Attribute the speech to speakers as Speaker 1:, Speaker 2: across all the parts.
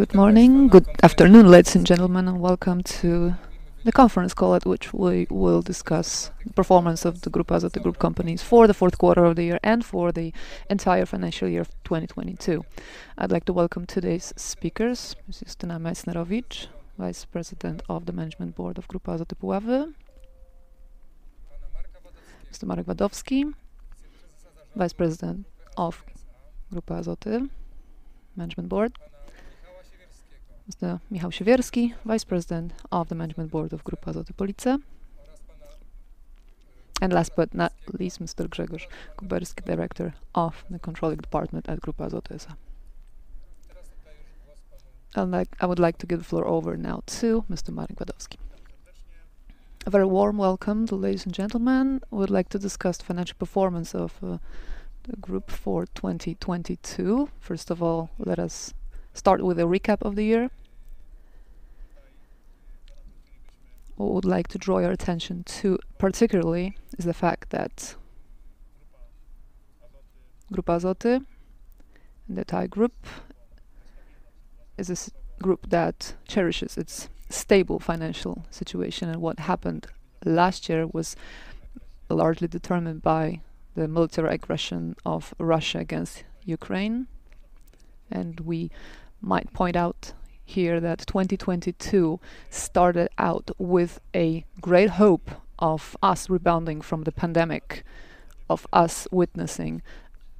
Speaker 1: Good morning, good afternoon, ladies and gentlemen. Welcome to the conference call at which we will discuss the performance of the Grupa Azoty Group Companies for the Fourth Quarter of the Year and for the Entire Financial Year of 2022. I'd like to welcome today's speakers, Mr. Justyna Majsnerowicz, Vice President of the Management Board of Grupa Azoty Puławy. Mr. Marek Wadowski, Vice President of Grupa Azoty Management Board. Mr. Michał Siewierski, Vice President of the Management Board of Grupa Azoty Police. Last but not least, Mr. Grzegorz Kuberski, Director of the Controlling Department at Grupa Azoty S.A. I would like to give the floor over now to Mr. Marek Wadowski.
Speaker 2: A very warm welcome to ladies and gentlemen. I would like to discuss the financial performance of the group for 2022. First of all, let us start with a recap of the year. What we'd like to draw your attention to particularly is the fact that Grupa Azoty and the Thai Group is this group that cherishes its stable financial situation. What happened last year was largely determined by the military aggression of Russia against Ukraine. We might point out here that 2022 started out with a great hope of us rebounding from the pandemic, of us witnessing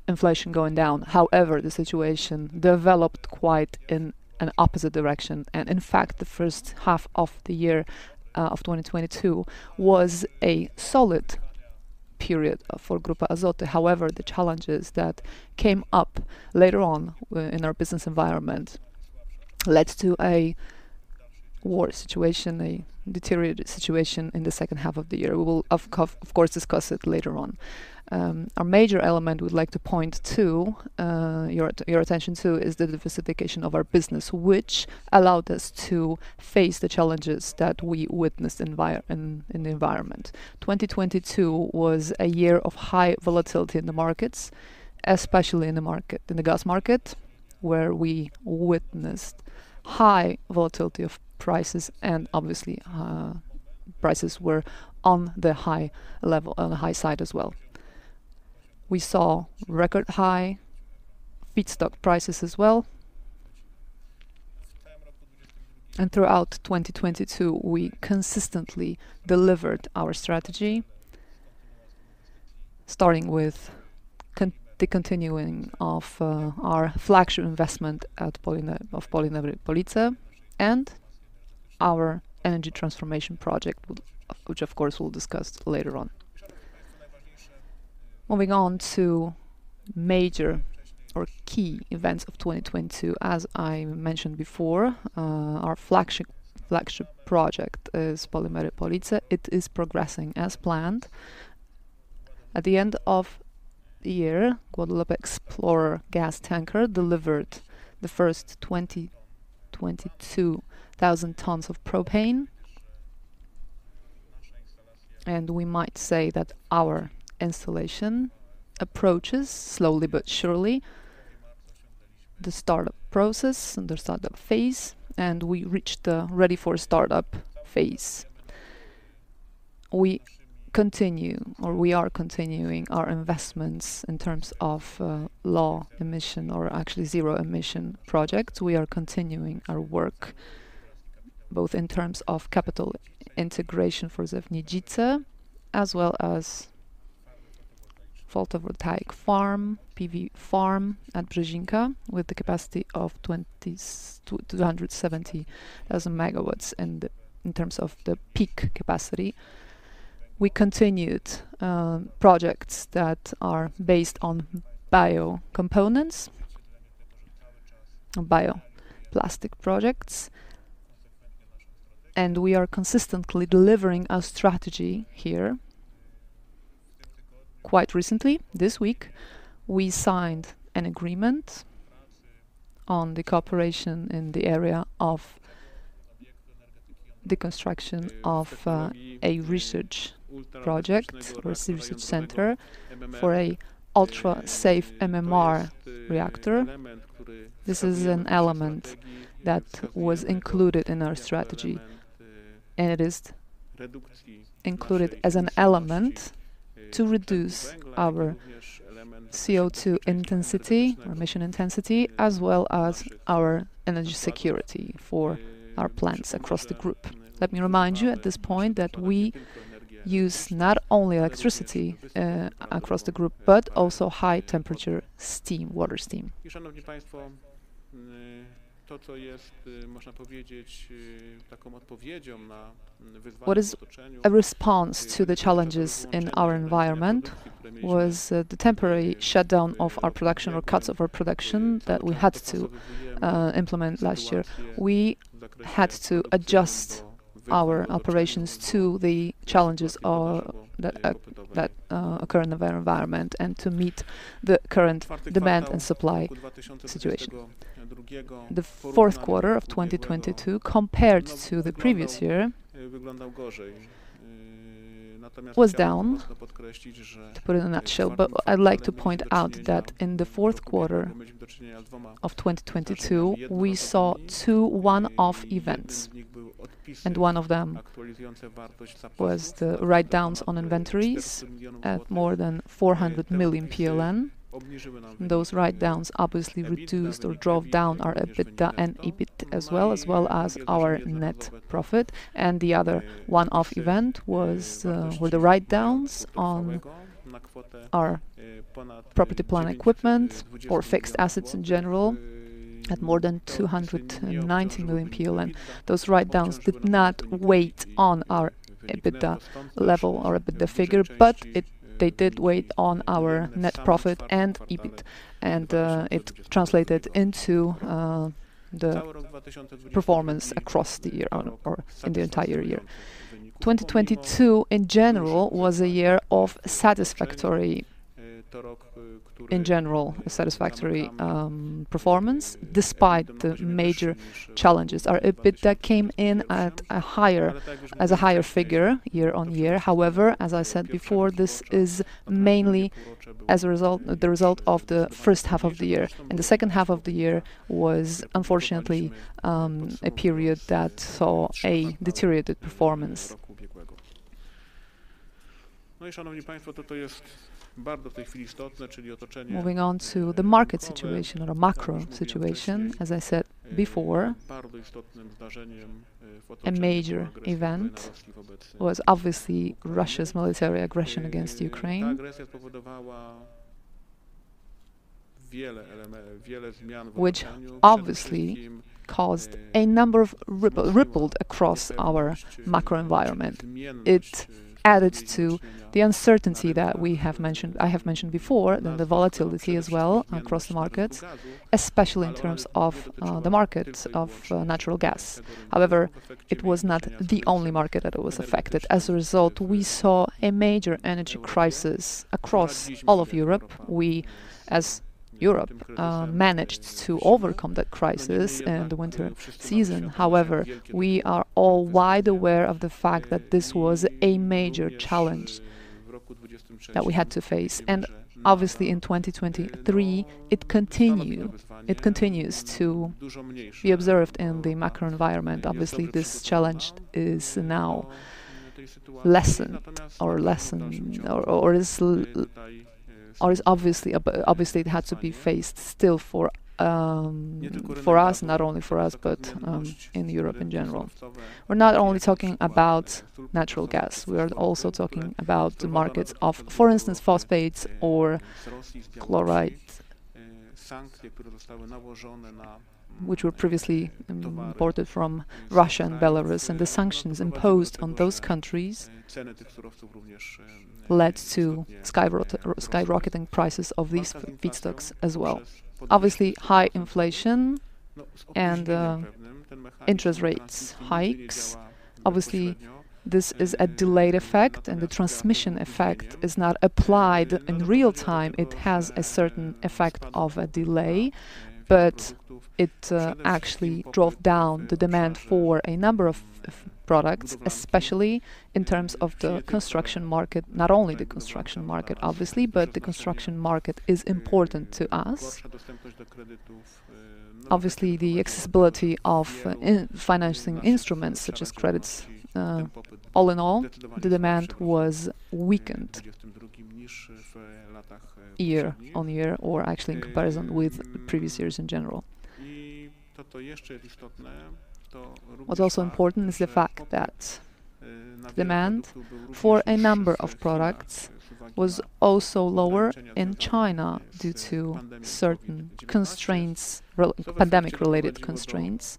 Speaker 2: inflation going down. However, the situation developed quite in an opposite direction, and in fact, the first half of the year, of 2022 was a solid period, for Grupa Azoty. However, the challenges that came up later on in our business environment led to a war situation, a deteriorated situation in the second half of the year. We will of course, discuss it later on. Our major element we'd like to point to your attention to is the diversification of our business, which allowed us to face the challenges that we witnessed in the environment. 2022 was a year of high volatility in the markets, especially in the gas market, where we witnessed high volatility of prices, and obviously, prices were on the high level, on the high side as well. We saw record high feedstock prices as well. Throughout 2022, we consistently delivered our strategy, starting with the continuing of our flagship investment at Polimery Police, and our energy transformation project, which of course we'll discuss later on. Moving on to major or key events of 2022, as I mentioned before, our flagship project is Polimery Police. It is progressing as planned. At the end of the year, Guadalupe Explorer gas tanker delivered the first 22,000 tons of propane. We might say that our installation approaches slowly but surely the startup process and the startup phase, and we reached the ready for startup phase. We are continuing our investments in terms of low emission or actually zero emission projects. We are continuing our work both in terms of capital integration for ZEW Niedzica, as well as photovoltaic farm, PV farm at Brzezinka, with the capacity of 270 MWs in terms of the peak capacity. We continued projects that are based on bio components or bioplastic projects. We are consistently delivering our strategy here. Quite recently, this week, we signed an agreement on the cooperation in the area of the construction of a research project or research center for a ultra-safe MMR reactor. This is an element that was included in our strategy, and it is included as an element to reduce our CO2 intensity or emission intensity, as well as our energy security for our plants across the group. Let me remind you at this point that we use not only electricity across the group, but also high temperature steam, water steam. What is a response to the challenges in our environment was the temporary shutdown of our production or cuts of our production that we had to implement last year. We had to adjust our operations to the challenges or that occur in the environment and to meet the current demand and supply situation. The fourth quarter of 2022 compared to the previous year was down, to put it in a nutshell. I'd like to point out that in the fourth quarter of 2022, we saw two one-off events, and one of them was the write-downs on inventories at more than 400 million PLN. Those write-downs obviously reduced or drove down our EBITDA and EBIT as well, as well as our net profit. The other one-off event was were the write-downs on our property plant equipment or fixed assets in general at more than 290 million PLN. Those write-downs did not weigh on our EBITDA level or EBITDA figure, but they did weigh on our net profit and EBIT, and it translated into the performance across the year or in the entire year. 2022 in general was a year of satisfactory performance despite the major challenges. Our EBITDA came in as a higher figure year-over-year. As I said before, this is mainly the result of the first half of the year, and the second half of the year was unfortunately a period that saw a deteriorated performance. Moving on to the market situation or the macro situation, as I said before, a major event was obviously Russia's military aggression against Ukraine, which obviously caused a number of rippled across our macro environment. It added to the uncertainty that I have mentioned before, and the volatility as well across the markets, especially in terms of the markets of natural gas. It was not the only market that it was affected. As a result, we saw a major energy crisis across all of Europe. We, as Europe, managed to overcome that crisis in the winter season. However, we are all wide aware of the fact that this was a major challenge that we had to face. Obviously, in 2023, it continues to be observed in the macro environment. Obviously, this challenge is now lessened or is obviously it had to be faced still for us, not only for us, but, in Europe in general. We're not only talking about natural gas, we are also talking about the markets of, for instance, phosphates or chloride, which were previously imported from Russia and Belarus, and the sanctions imposed on those countries led to skyrocketing prices of these feedstocks as well. Obviously, high inflation and interest rates hikes. Obviously, this is a delayed effect, and the transmission effect is not applied in real time. It has a certain effect of a delay, but it actually drove down the demand for a number of products, especially in terms of the construction market. Not only the construction market obviously, but the construction market is important to us. Obviously, the accessibility of financing instruments such as credits. All in all, the demand was weakened year-on-year or actually in comparison with previous years in general. What's also important is the fact that demand for a number of products was also lower in China due to certain constraints pandemic-related constraints,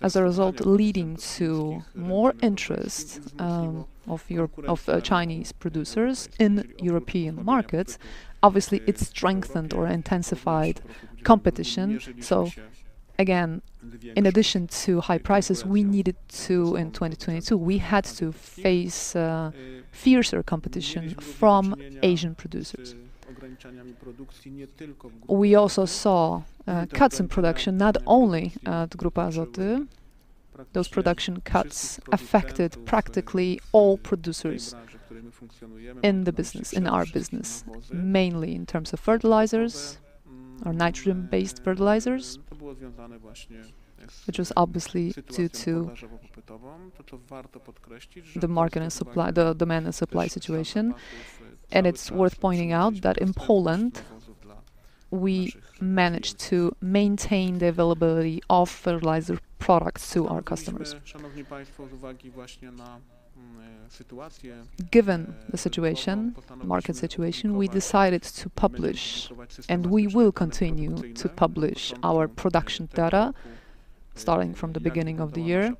Speaker 2: as a result leading to more interest of Chinese producers in European markets. Obviously, it strengthened or intensified competition. In addition to high prices, in 2022, we had to face a fiercer competition from Asian producers. We also saw cuts in production, not only at Grupa Azoty. Those production cuts affected practically all producers in the business, in our business, mainly in terms of fertilizers or nitrogen-based fertilizers, which was obviously due to the demand and supply situation. It's worth pointing out that in Poland, we managed to maintain the availability of fertilizer products to our customers. Given the market situation, we decided to publish, and we will continue to publish our production data starting from the beginning of the year.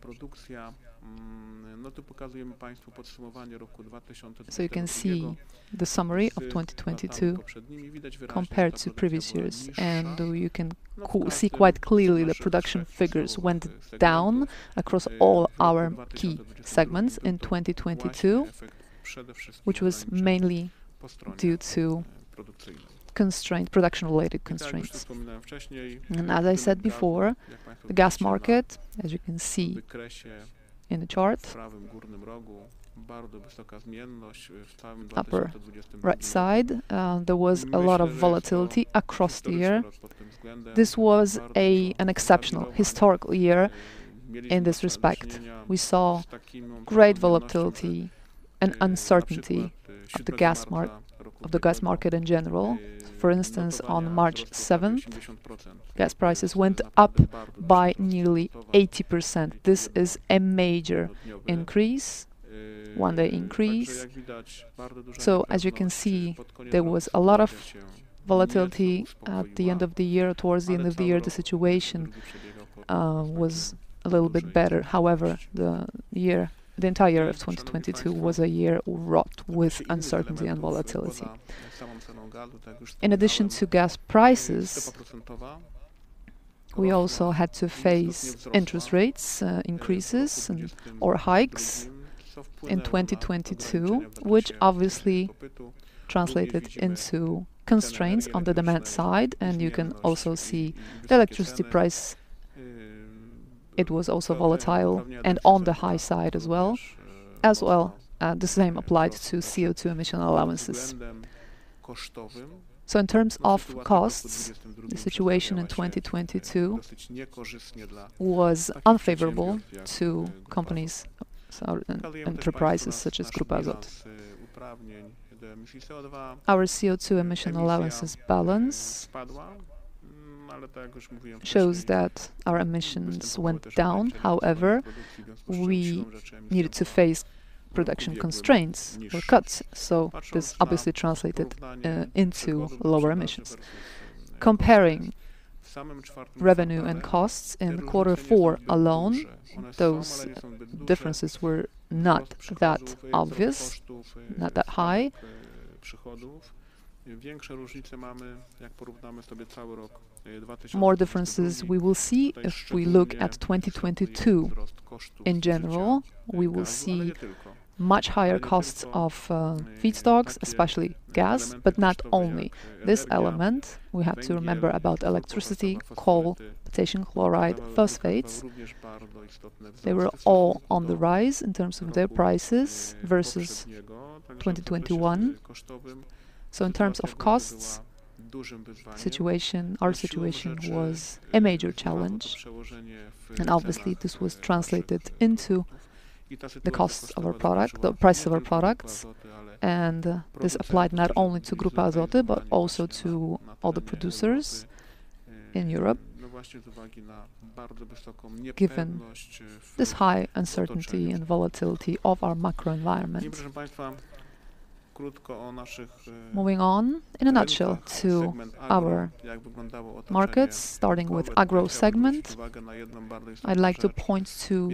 Speaker 2: You can see the summary of 2022 compared to previous years, and you can see quite clearly the production figures went down across all our key segments in 2022, which was mainly due to constraint, production-related constraints. As I said before, the gas market, as you can see in the chart, upper right side, there was a lot of volatility across the year. This was an exceptional historical year in this respect. We saw great volatility and uncertainty of the gas market in general. For instance, on March 7th, gas prices went up by nearly 80%. This is a major increase, one day increase. As you can see, there was a lot of volatility at the end of the year. Towards the end of the year, the situation was a little bit better. However, the entire year of 2022 was a year wrought with uncertainty and volatility. In addition to gas prices, we also had to face interest rates, increases and or hikes in 2022, which obviously translated into constraints on the demand side. You can also see the electricity price, it was also volatile and on the high side as well, the same applied to CO₂ emission allowances. In terms of costs, the situation in 2022 was unfavorable to companies or enterprises such as Grupa Azoty. Our CO₂ emission allowances balance shows that our emissions went down. However, we needed to face production constraints or cuts, so this obviously translated into lower emissions. Comparing revenue and costs in Q4 alone, those differences were not that obvious, not that high. More differences we will see if we look at 2022. In general, we will see much higher costs of feedstocks, especially gas, but not only this element. We have to remember about electricity, coal, potassium chloride, phosphates. They were all on the rise in terms of their prices versus 2021. In terms of costs situation, our situation was a major challenge, and obviously this was translated into the costs of our product, the price of our products. This applied not only to Grupa Azoty, but also to other producers in Europe, given this high uncertainty and volatility of our macro environment. Moving on in a nutshell to our markets, starting with agro segment, I'd like to point to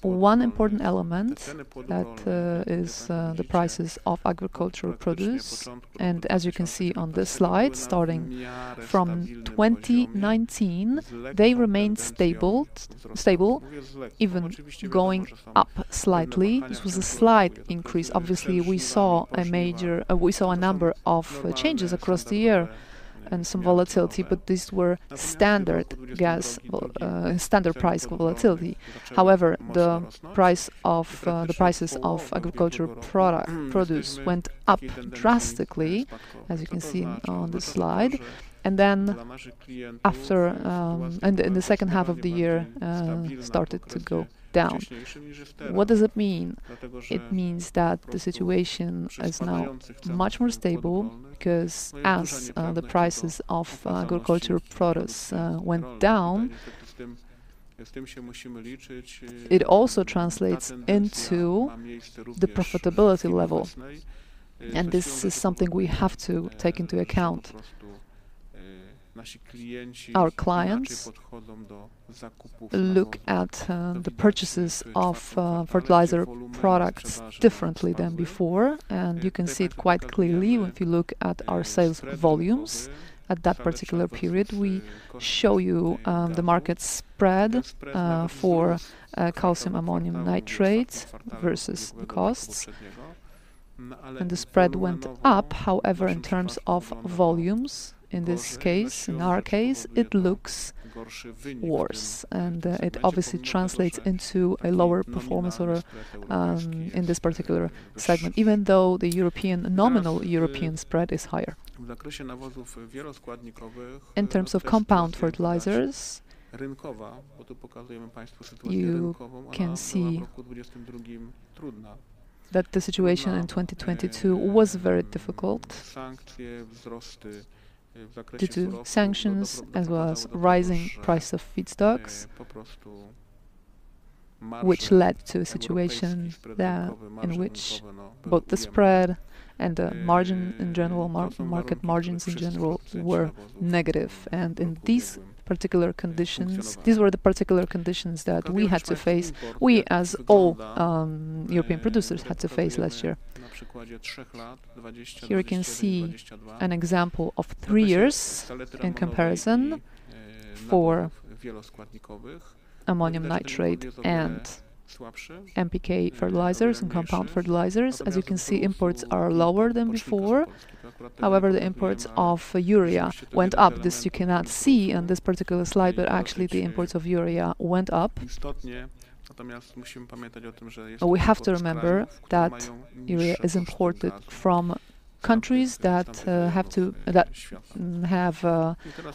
Speaker 2: one important element that is the prices of agricultural produce. As you can see on this slide, starting from 2019, they remained stable, even going up slightly. This was a slight increase. Obviously, we saw a number of changes across the year and some volatility, but these were standard gas, standard price volatility. However, the price of the prices of agricultural produce went up drastically, as you can see on this slide. After, and in the second half of the year, started to go down. What does it mean? It means that the situation is now much more stable 'cause as the prices of agricultural produce went down, it also translates into the profitability level, and this is something we have to take into account. Our clients look at the purchases of fertilizer products differently than before, and you can see it quite clearly if you look at our sales volumes at that particular period. We show you the market spread for calcium ammonium nitrate versus the costs. The spread went up, however, in terms of volumes, in this case, in our case, it looks worse, it obviously translates into a lower performance or in this particular segment, even though the European, nominal European spread is higher. In terms of compound fertilizers, you can see that the situation in 2022 was very difficult due to sanctions as well as rising price of feedstocks, which led to a situation there in which both the spread and the market margins in general were negative. In these particular conditions, these were the particular conditions that we had to face, we as all European producers had to face last year. Here you can see an example of three years in comparison for ammonium nitrate and NPK fertilizers and compound fertilizers. As you can see, imports are lower than before. However, the imports of urea went up. This you cannot see on this particular slide, but actually the imports of urea went up. We have to remember that urea is imported from countries that have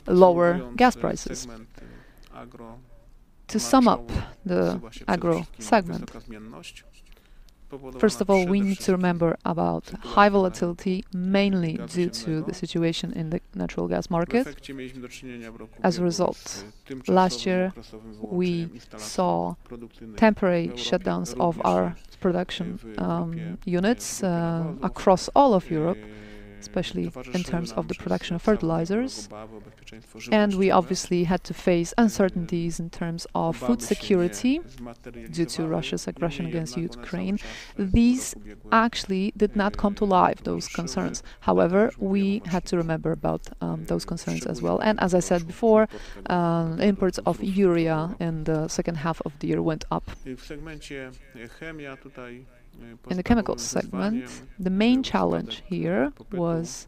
Speaker 2: lower gas prices. To sum up the agro segment, first of all, we need to remember about high volatility, mainly due to the situation in the natural gas market. As a result, last year we saw temporary shutdowns of our production units across all of Europe, especially in terms of the production of fertilizers. We obviously had to face uncertainties in terms of food security due to Russia's aggression against Ukraine. These actually did not come to life, those concerns. However, we had to remember about those concerns as well. As I said before, imports of urea in the second half of the year went up. In the chemical segment, the main challenge here was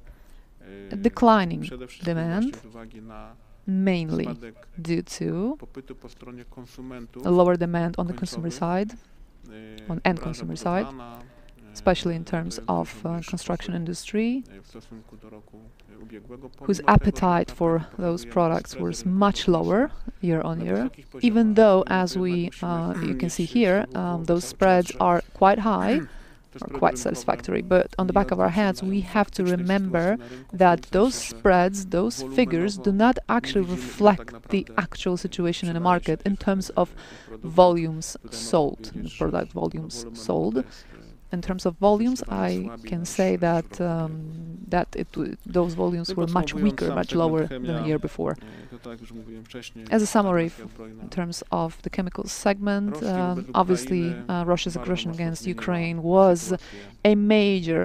Speaker 2: a declining demand, mainly due to a lower demand on the consumer side, on end consumer side, especially in terms of construction industry, whose appetite for those products was much lower year-on-year. Even though, as we, you can see here, those spreads are quite high or quite satisfactory. On the back of our hands, we have to remember that those spreads, those figures do not actually reflect the actual situation in the market in terms of volumes sold, product volumes sold. In terms of volumes, I can say that those volumes were much weaker, much lower than the year before. As a summary, in terms of the chemical segment, obviously, Russia's aggression against Ukraine was a major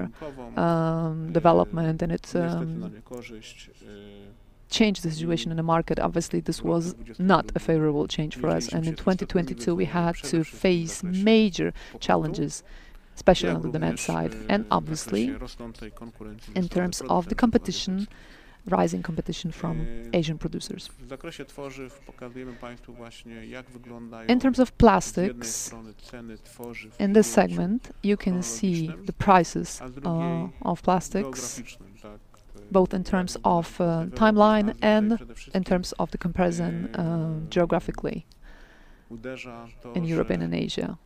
Speaker 2: development, and it changed the situation in the market. Obviously, this was not a favorable change for us, and in 2022 we had to face major challenges, especially on the demand side, and obviously in terms of the competition, rising competition from Asian producers. In terms of plastics, in this segment, you can see the prices of plastics, both in terms of timeline and in terms of the comparison geographically in European and Asia.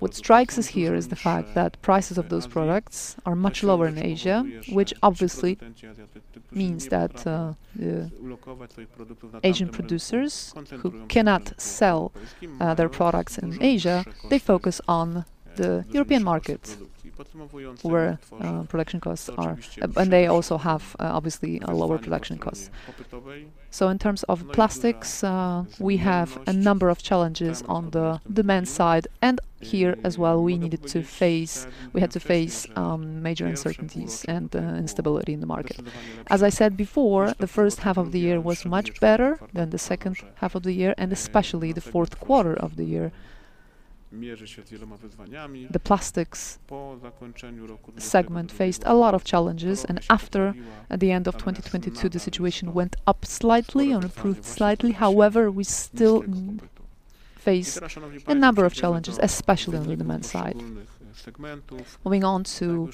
Speaker 2: What strikes us here is the fact that prices of those products are much lower in Asia, which obviously means that Asian producers who cannot sell their products in Asia, they focus on the European markets where production costs are and they also have obviously a lower production cost. In terms of plastics, we have a number of challenges on the demand side, and here as well we had to face major uncertainties and instability in the market. As I said before, the first half of the year was much better than the second half of the year, and especially the fourth quarter of the year. The plastics segment faced a lot of challenges, and after, at the end of 2022, the situation went up slightly or improved slightly. However, we still face a number of challenges, especially on the demand side. Moving on to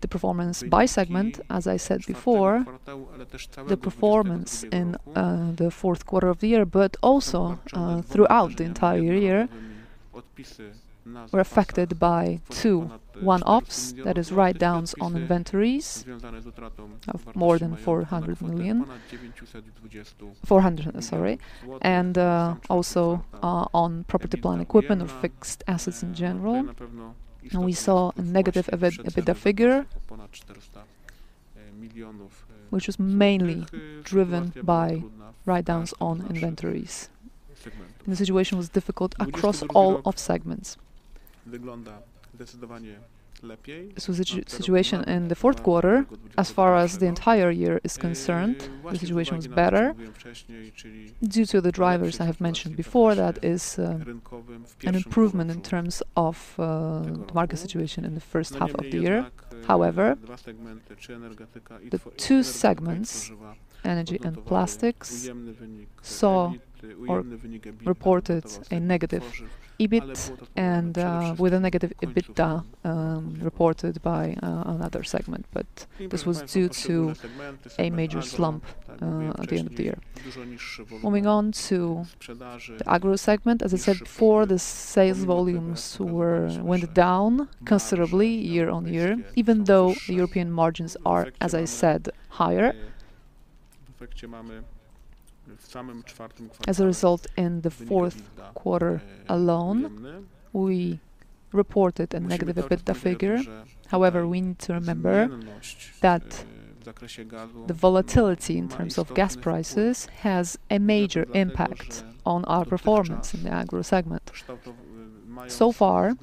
Speaker 2: the performance by segment, as I said before, the performance in the fourth quarter of the year, but also throughout the entire year, were affected by two one-offs. That is write-downs on inventories of more than 400 million. 400, sorry. Also, on property, plant and equipment or fixed assets in general. We saw a negative EBITDA figure, which was mainly driven by write-downs on inventories. The situation was difficult across all of segments. The situation in the fourth quarter as far as the entire year is concerned, the situation was better due to the drivers I have mentioned before. That is, an improvement in terms of market situation in the first half of the year. However, the two segments, energy and plastics, saw or reported a negative EBIT and with a negative EBITDA reported by another segment. This was due to a major slump at the end of the year. Moving on to the agro segment, as I said before, the sales volumes went down considerably year-on-year, even though European margins are, as I said, higher. As a result, in the fourth quarter alone, we reported a negative EBITDA figure. However, we need to remember that the volatility in terms of gas prices has a major impact on our performance in the agro segment. Far,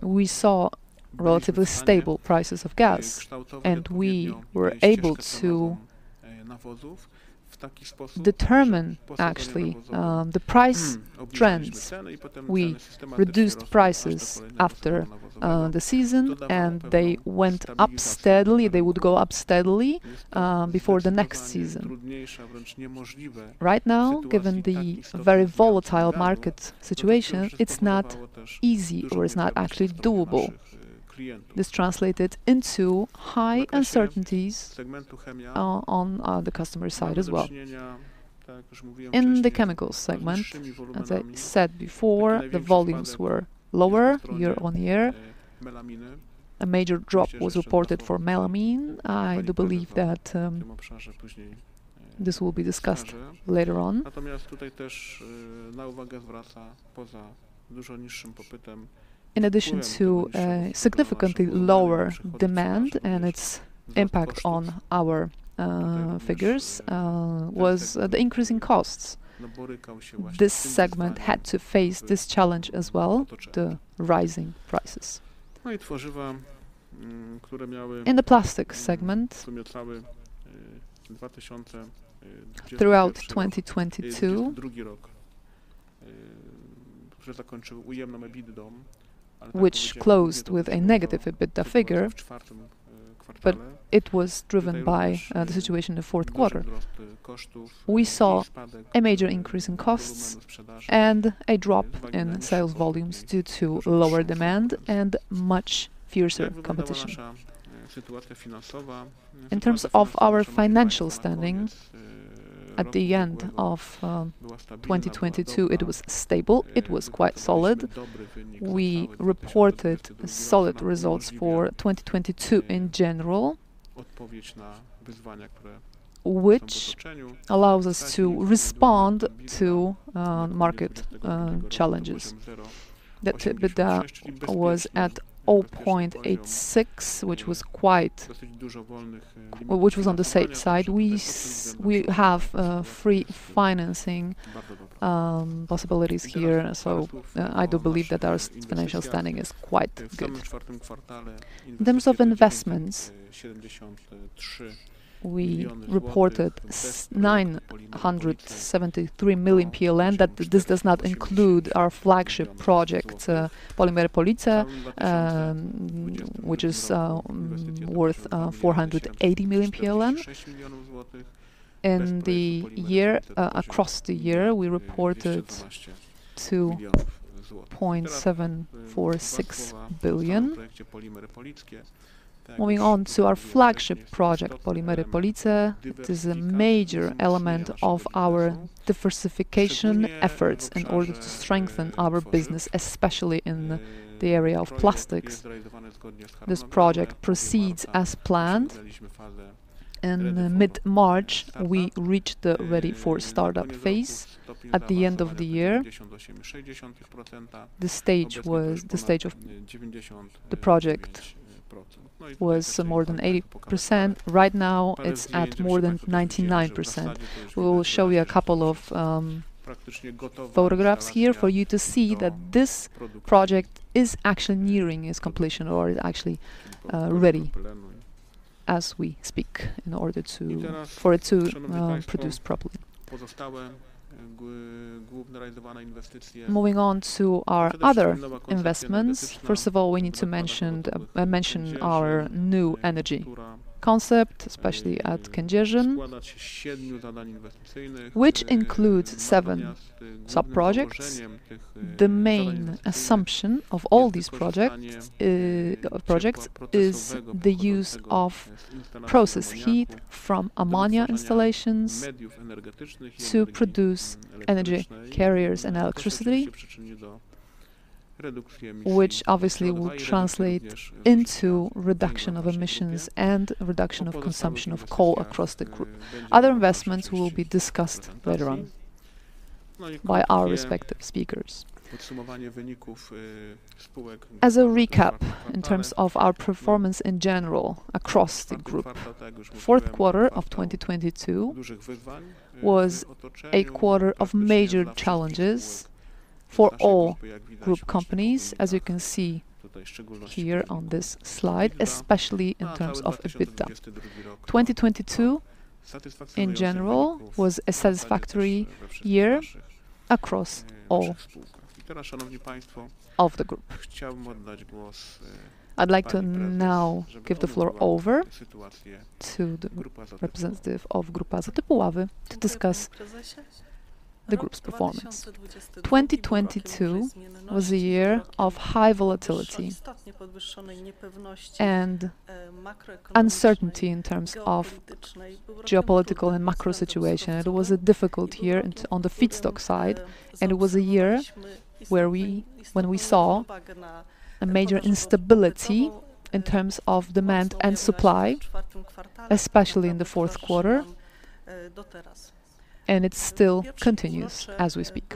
Speaker 2: we saw relatively stable prices of gas, and we were able to determine actually, the price trends. We reduced prices after, the season and they went up steadily. They would go up steadily, before the next season. Right now, given the very volatile market situation, it's not easy or it's not actually doable. This translated into high uncertainties, on, the customer side as well. In the chemical segment, as I said before, the volumes were lower year on year. A major drop was reported for melamine. I do believe that, this will be discussed later on. In addition to, significantly lower demand and its impact on our, figures, was, the increasing costs. This segment had to face this challenge as well, the rising prices. In the plastic segment, throughout 2022, which closed with a negative EBITDA figure, but it was driven by the situation in the fourth quarter. We saw a major increase in costs and a drop in sales volumes due to lower demand and much fiercer competition. In terms of our financial standing at the end of 2022, it was stable. It was quite solid. We reported solid results for 2022 in general, which allows us to respond to market challenges. Net EBITDA was at 0.86, Well, which was on the safe side. We have free financing possibilities here. I do believe that our financial standing is quite good. In terms of investments, we reported 973 million PLN that this does not include our flagship project, Polimery Police, which is worth 480 million PLN. In the year, across the year, we reported 2.746 billion. Moving on to our flagship project, Polimery Police, it is a major element of our diversification efforts in order to strengthen our business, especially in the area of plastics. This project proceeds as planned. In mid-March, we reached the ready for startup phase. At the end of the year, the stage of the project was more than 80%. Right now it's at more than 99%. We will show you a couple of photographs here for you to see that this project is actually nearing its completion or is actually ready as we speak for it to produce properly. Moving on to our other investments, first of all, we need to mention our new energy concept, especially at Kędzierzyn, which includes 7 sub-projects. The main assumption of all these projects is the use of process heat from ammonia installations to produce energy carriers and electricity, which obviously will translate into reduction of emissions and reduction of consumption of coal across the group. Other investments will be discussed later on by our respective speakers. As a recap, in terms of our performance in general across the group, fourth quarter of 2022 was a quarter of major challenges for all group companies, as you can see here on this slide, especially in terms of EBITDA. 2022 in general was a satisfactory year across all of the group. I'd like to now give the floor over to the representative of Grupa Azoty Puławy to discuss the group's performance.
Speaker 3: 2022 was a year of high volatility and uncertainty in terms of geopolitical and macro situation. It was a difficult year and on the feedstock side. It was a year when we saw a major instability in terms of demand and supply, especially in the fourth quarter. It still continues as we speak.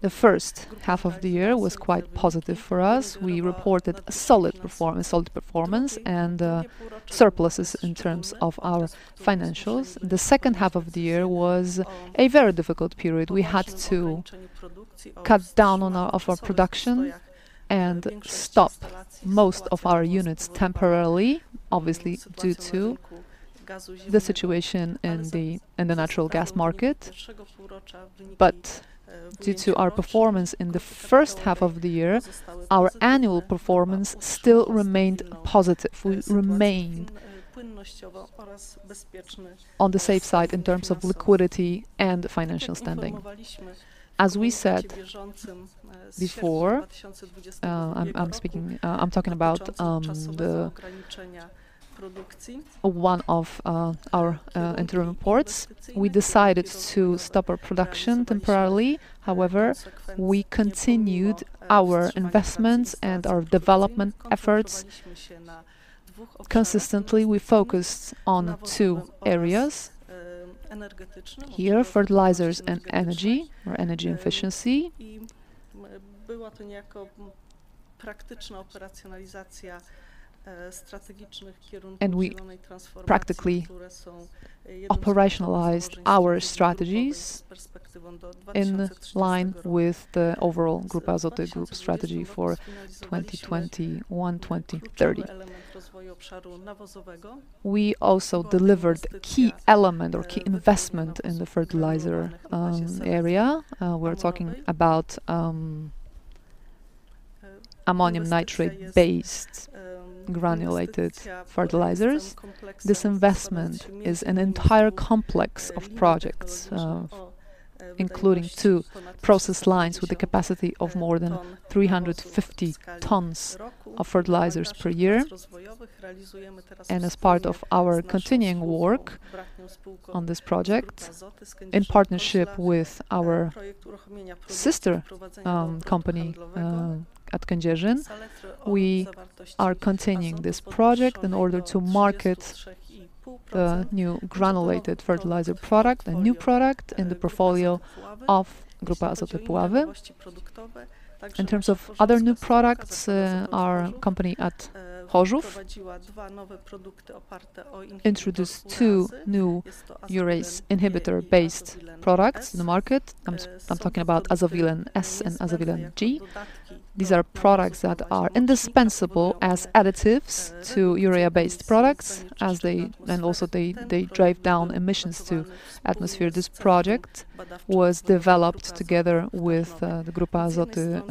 Speaker 3: The first half of the year was quite positive for us. We reported solid performance and surpluses in terms of our financials. The second half of the year was a very difficult period. We had to cut down on our production and stop most of our units temporarily, obviously due to the situation in the natural gas market. Due to our performance in the first half of the year, our annual performance still remained positive. We remain on the safe side in terms of liquidity and financial standing. As we said before, I'm speaking, I'm talking about one of our interim reports, we decided to stop our production temporarily. However, we continued our investments and our development efforts. Consistently, we focused on two areas. Here, fertilizers and energy or energy efficiency. We practically operationalized our strategies in line with the overall Grupa Azoty Group strategy for 2021, 2030. We also delivered a key element or key investment in the fertilizer area. We're talking about ammonium nitrate-based granulated fertilizers. This investment is an entire complex of projects, including two process lines with a capacity of more than 350 tons of fertilizers per year. As part of our continuing work on this project, in partnership with our sister company at Kędzierzyn, we are continuing this project in order to market the new granulated fertilizer product, a new product in the portfolio of Grupa Azoty Puławy. In terms of other new products, our company at Chorzów introduced two new urease inhibitor-based products in the market. I'm talking about Azovilen S and Azovilen G. These are products that are indispensable as additives to urea-based products as they, and also they drive down emissions to atmosphere. This project was developed together with the Grupa Azoty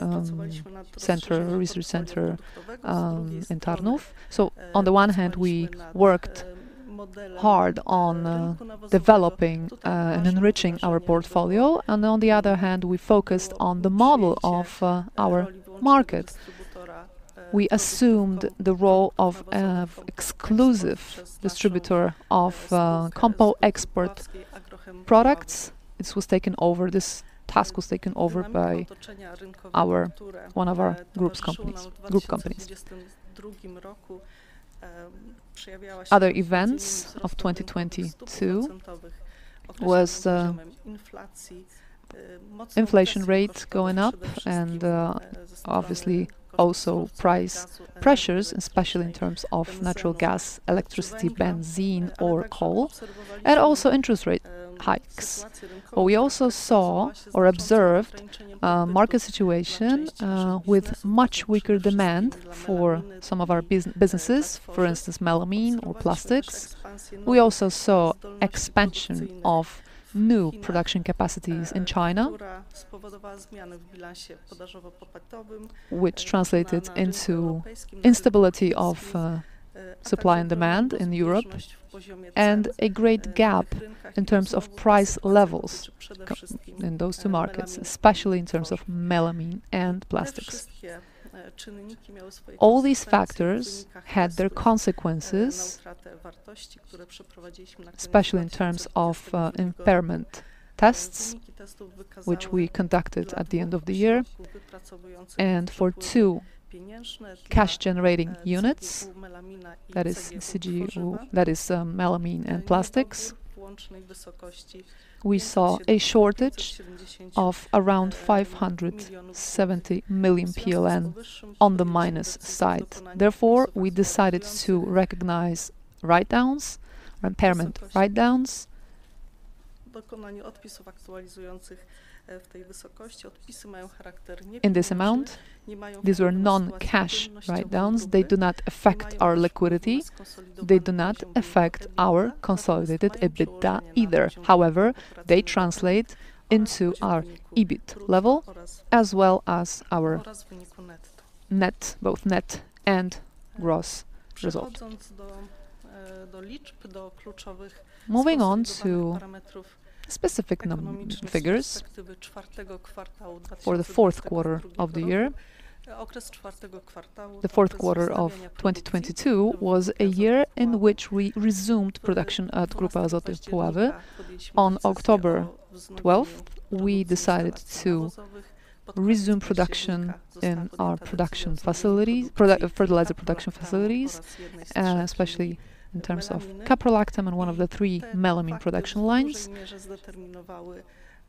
Speaker 3: center, research center, in Tarnów. On the one hand, we worked hard on developing and enriching our portfolio, and on the other hand, we focused on the model of our market. We assumed the role of an exclusive distributor of COMPO EXPERT products. This task was taken over by our, one of our group companies. Other events of 2022 was inflation rates going up and obviously also price pressures, especially in terms of natural gas, electricity, benzene or coal, and also interest rate hikes. We also saw or observed a market situation with much weaker demand for some of our businesses, for instance, melamine or plastics. We also saw expansion of new production capacities in China, which translated into instability of supply and demand in Europe and a great gap in terms of price levels in those two markets, especially in terms of melamine and plastics. All these factors had their consequences, especially in terms of impairment tests, which we conducted at the end of the year. For two cash-generating units, that is CGU, that is, melamine and plastics, we saw a shortage of around 570 million PLN on the minus side. Therefore, we decided to recognize write-downs, impairment write-downs in this amount. These were non-cash write-downs. They do not affect our liquidity. They do not affect our consolidated EBITDA either. However, they translate into our EBIT level as well as our net, both net and gross result. Moving on to specific figures for the fourth quarter of the year. The fourth quarter of 2022 was a year in which we resumed production at Grupa Azoty Puławy. On October 12th, we decided to resume production in our production facility, fertilizer production facilities, especially in terms of caprolactam and one of the three melamine production lines.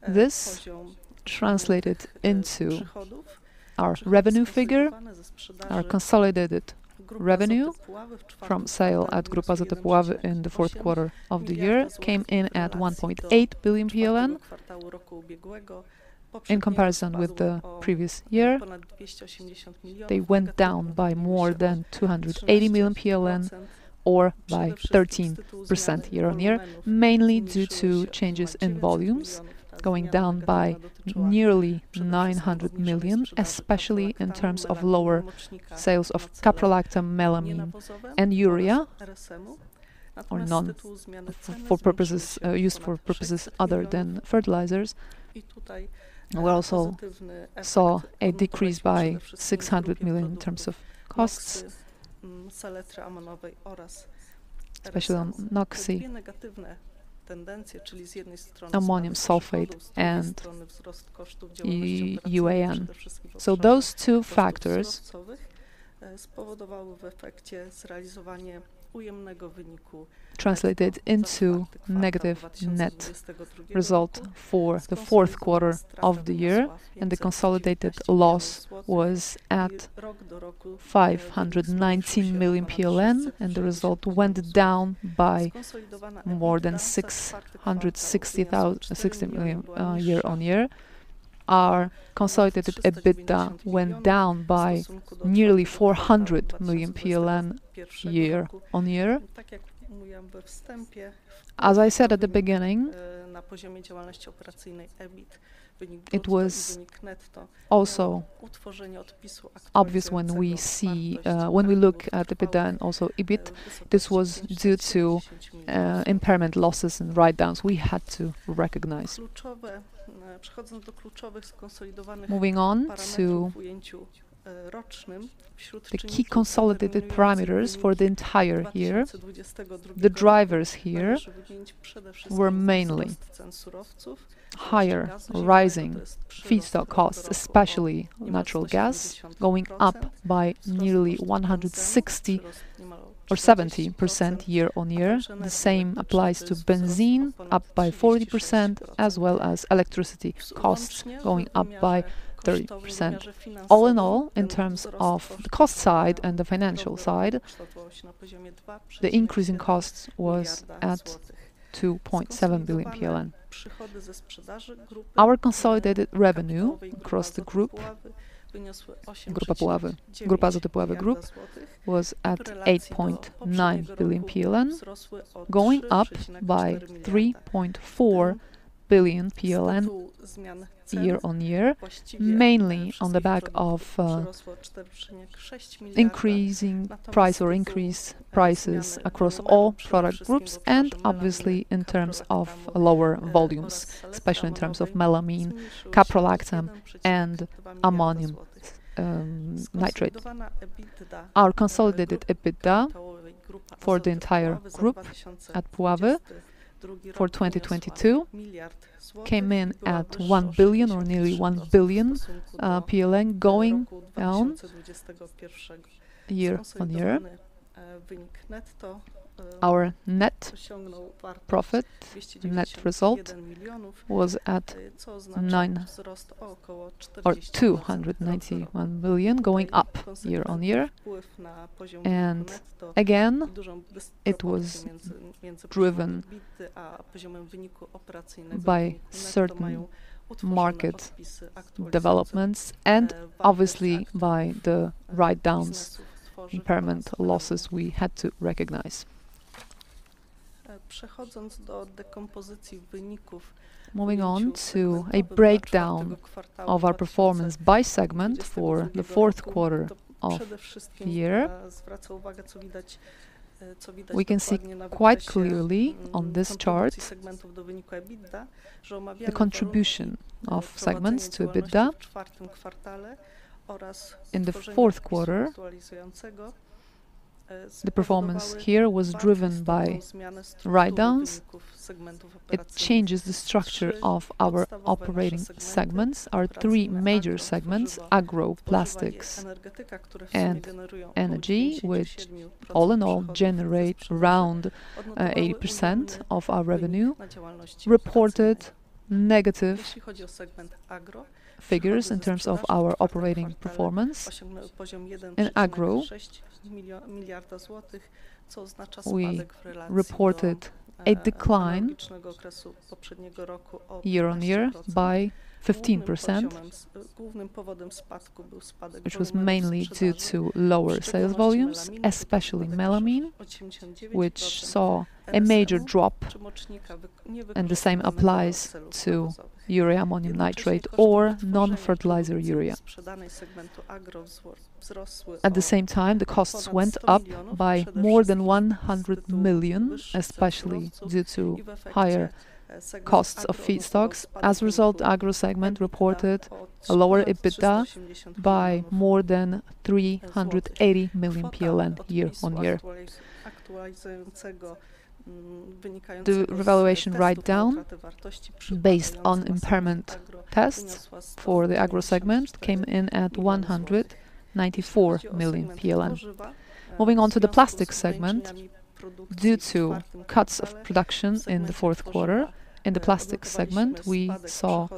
Speaker 3: This translated into our revenue figure, our consolidated revenue from sale at Grupa Azoty Puławy in the fourth quarter of the year came in at 1.8 billion. In comparison with the previous year, they went down by more than 280 million PLN or by 13% year-on-year, mainly due to changes in volumes going down by nearly 900 million, especially in terms of lower sales of caprolactam, melamine and urea or none for purposes used for purposes other than fertilizers. We also saw a decrease by 600 million in terms of costs, especially on NOXy®NOXy, ammonium sulfate and UAN. Those two factors translated into negative net result for the fourth quarter of the year, and the consolidated loss was at 519 million PLN, and the result went down by more than 660 million year-on-year. Our consolidated EBITDA went down by nearly 400 million PLN year-on-year. As I said at the beginning, it was also obvious when we see... When we look at EBITDA and also EBIT, this was due to impairment losses and write-downs we had to recognize. Moving on to the key consolidated parameters for the entire year. The drivers here were mainly higher rising feedstock costs, especially natural gas, going up by nearly 160% or 170% year-on-year. The same applies to benzene, up by 40%, as well as electricity costs going up by 30%. All in all, in terms of the cost side and the financial side, the increase in costs was at 2.7 billion PLN. Our consolidated revenue across the group, Grupa Puławy, Grupa Azoty Puławy Group, was at 8.9 billion PLN, going up by 3.4 billion PLN year-on-year, mainly on the back of increased prices across all product groups and obviously in terms of lower volumes, especially in terms of melamine, caprolactam and ammonium nitrate. Our consolidated EBITDA for the entire group at Puławy for 2022 came in at 1 billion or nearly 1 billion PLN, going down year-on-year. Our net profit, net result, was at 9 or 291 billion, going up year-on-year. Again, it was driven by certain market developments and obviously by the write-downs, impairment losses we had to recognize. Moving on to a breakdown of our performance by segment for the fourth quarter of the year. We can see quite clearly on this chart the contribution of segments to EBITDA. In the fourth quarter, the performance here was driven by write-downs. It changes the structure of our operating segments. Our three major segments, agro, plastics and energy, which all in all generate around 80% of our revenue, reported negative figures in terms of our operating performance. In agro, we reported a decline year-on-year by 15%, which was mainly due to lower sales volumes, especially melamine, which saw a major drop and the same applies to urea, ammonium nitrate or non-fertilizer urea. At the same time, the costs went up by more than 100 million, especially due to higher costs of feedstocks. As a result, agro segment reported a lower EBITDA by more than 380 million PLN year-on-year. The revaluation write-down based on impairment tests for the agro segment came in at 194 million PLN. Moving on to the plastics segment. Due to cuts of production in the fourth quarter in the plastics segment, we saw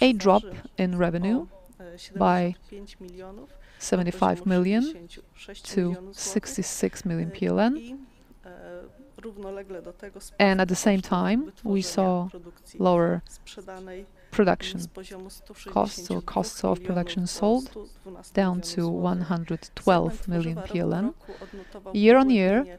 Speaker 3: a drop in revenue by 75 million to 66 million PLN. And at the same time, we saw lower production costs or costs of production sold down to 112 million. Year-on-year,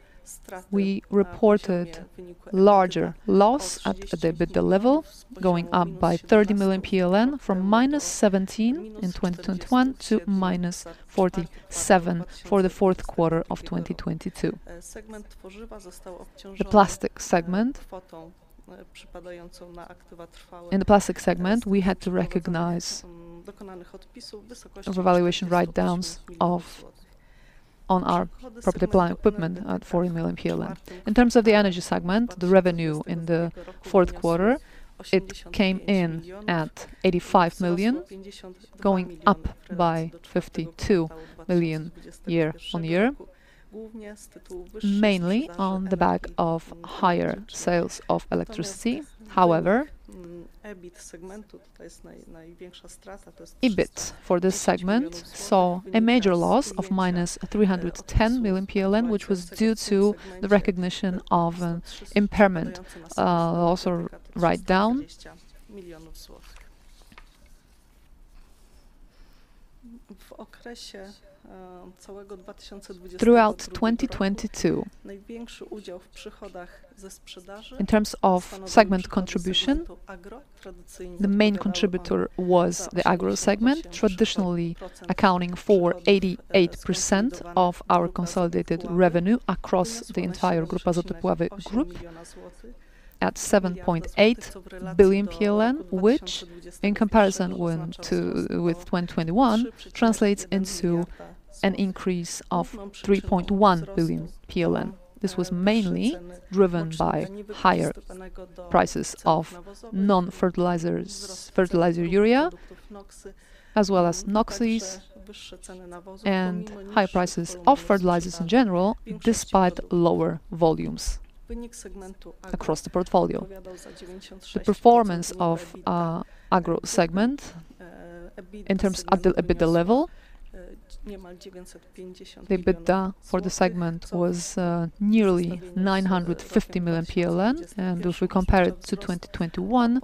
Speaker 3: we reported larger loss at the EBITDA level, going up by 30 million PLN from -17 in 2021 to -47 for the fourth quarter of 2022. In the plastics segment, we had to recognize valuation write-downs on our property plant equipment at 40 million. In terms of the energy segment, the revenue in the fourth quarter, it came in at 85 million, going up by 52 million year-on-year, mainly on the back of higher sales of electricity. EBIT for this segment saw a major loss of -310 million PLN, which was due to the recognition of an impairment loss or write-down. Throughout 2022, in terms of segment contribution, the main contributor was the agro segment, traditionally accounting for 88% of our consolidated revenue across the entire Grupa Azoty Puławy Group at 7.8 billion PLN, which in comparison with 2021, translates into an increase of 3.1 billion PLN. Mainly driven by higher prices of non-fertilizers, fertilizer urea, as well as NOXy®, and high prices of fertilizers in general, despite lower volumes across the portfolio. The performance of agro segment in terms at the EBITDA level, the EBITDA for the segment was nearly 950 million PLN. If we compare it to 2021,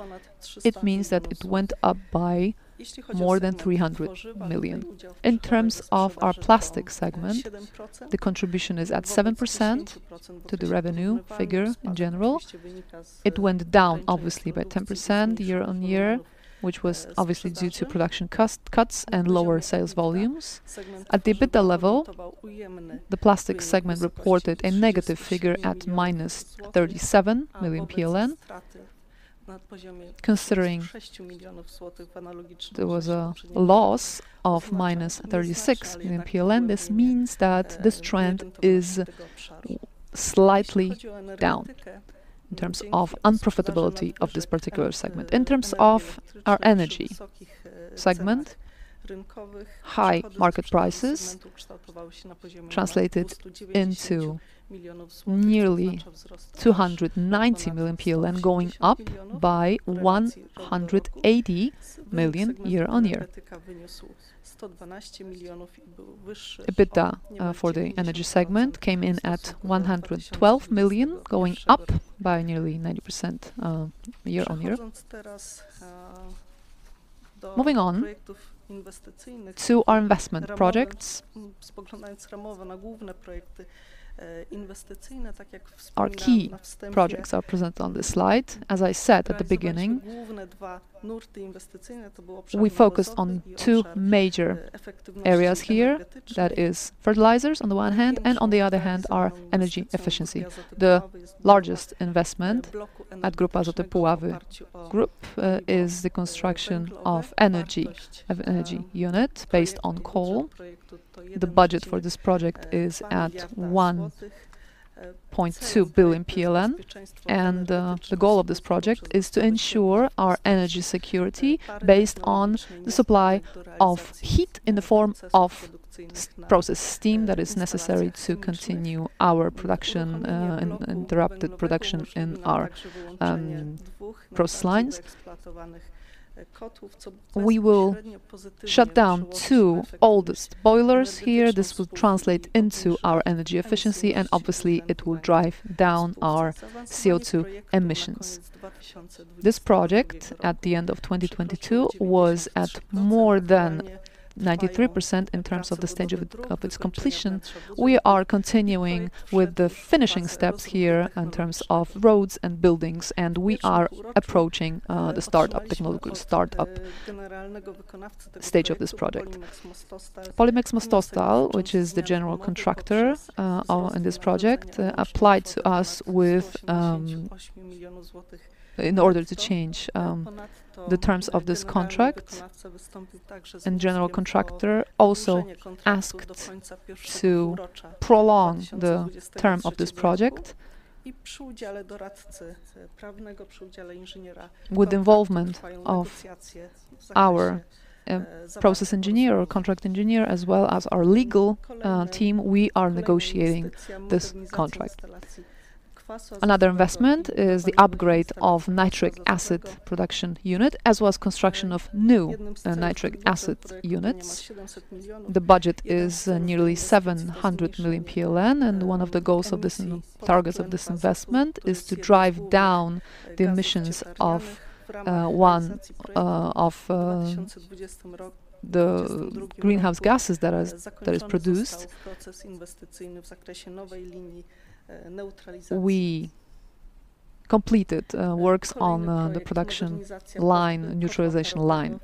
Speaker 3: it means that it went up by more than 300 million. In terms of our plastic segment, the contribution is at 7% to the revenue figure in general. It went down obviously by 10% year-on-year, which was obviously due to production cost cuts and lower sales volumes. At the EBITDA level, the plastic segment reported a negative figure at minus 37 million PLN, considering there was a loss of minus 36 million PLN. This means that this trend is slightly down in terms of unprofitability of this particular segment. In terms of our energy segment, high market prices translated into nearly 290 million PLN, going up by 180 million year-on-year. EBITDA for the energy segment came in at 112 million, going up by nearly 90% year-on-year. Moving on to our investment projects, our key projects are presented on this slide. As I said at the beginning, we focus on two major areas here, that is fertilizers on the one hand and on the other hand, our energy efficiency. The largest investment at Grupa Azoty Puławy Group is the construction of energy unit based on coal. The budget for this project is at 1.2 billion PLN and, the goal of this project is to ensure our energy security based on the supply of heat in the form of process steam that is necessary to continue our production in interrupted production in our process lines. We will shut down two oldest boilers here. This will translate into our energy efficiency, and obviously it will drive down our CO2 emissions. This project, at the end of 2022, was at more than 93% in terms of the stage of it, of its completion. We are continuing with the finishing steps here in terms of roads and buildings, and we are approaching the startup stage of this project. Polimex Mostostal, which is the general contractor, in this project, applied to us with in order to change the terms of this contract. General contractor also asked to prolong the term of this project. With involvement of our process engineer or contract engineer, as well as our legal team, we are negotiating this contract. Another investment is the upgrade of nitric acid production unit, as well as construction of new nitric acid units. The budget is nearly 700 million PLN, and one of the goals of this and targets of this investment is to drive down the emissions of one of the greenhouse gases that is produced. We completed works on the production line, neutralization line.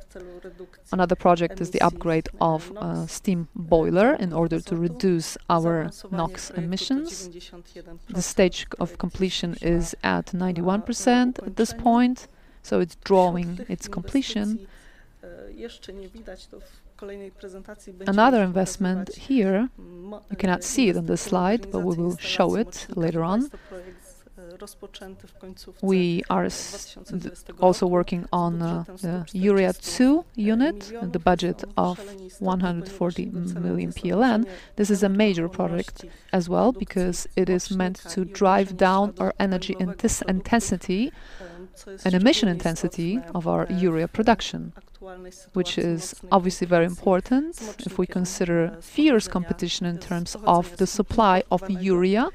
Speaker 3: Another project is the upgrade of steam boiler in order to reduce our NOx emissions. The stage of completion is at 91% at this point, so it's drawing its completion. Another investment here, you cannot see it on this slide, but we will show it later on. We are also working on the Urea 2 unit, the budget of 140 million PLN. This is a major project as well because it is meant to drive down our energy intensity and emission intensity of our urea production, which is obviously very important if we consider fierce competition in terms of the supply of urea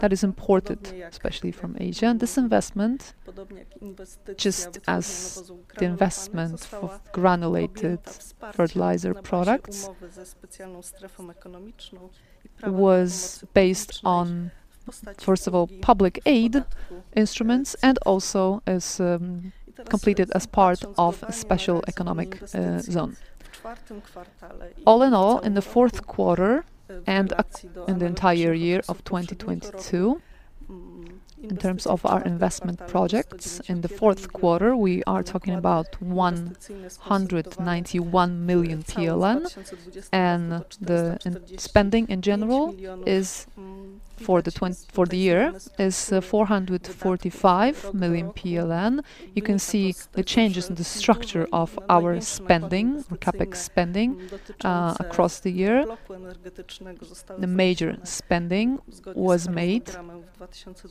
Speaker 3: that is imported, especially from Asia. This investment, just as the investment for granulated fertilizer products, was based on, first of all, public aid instruments and also as completed as part of a special economic zone. All in all, in the fourth quarter in the entire year of 2022, in terms of our investment projects, in the fourth quarter, we are talking about 191 million PLN, and spending in general is for the year, 445 million PLN. You can see the changes in the structure of our spending, CapEx spending across the year. The major spending was made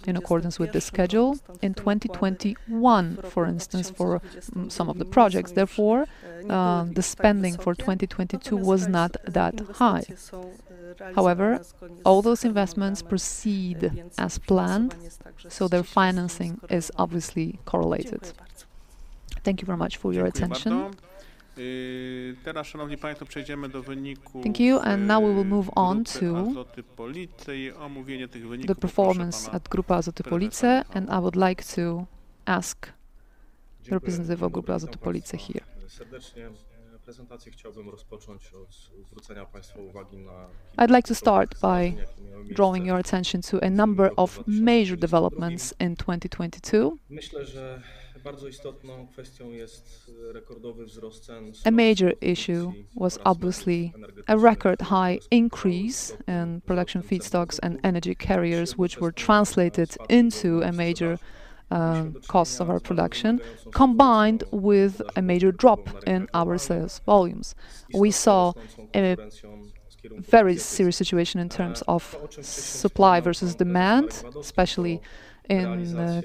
Speaker 3: in accordance with the schedule in 2021, for instance, for some of the projects. Therefore, the spending for 2022 was not that high. However, all those investments proceed as planned, so their financing is obviously correlated. Thank you very much for your attention.
Speaker 2: Thank you. Now we will move on to the performance at Grupa Azoty Police, and I would like to ask the representative of Grupa Azoty Police here.
Speaker 4: I'd like to start by drawing your attention to a number of major developments in 2022. A major issue was obviously a record-high increase in production feedstocks and energy carriers, which were translated into a major cost of our production, combined with a major drop in our sales volumes. We saw a very serious situation in terms of supply versus demand, especially in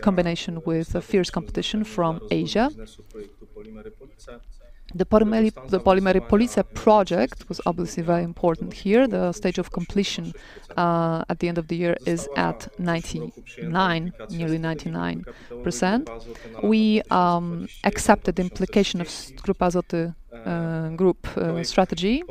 Speaker 4: combination with a fierce competition from Asia. The Polimery Police project was obviously very important here. The stage of completion at the end of the year is at 99, nearly 99%. We accepted the implication of Grupa Azoty group strategy